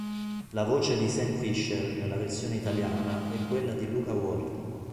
La voce di Sam Fisher nella versione italiana è quella di Luca Ward.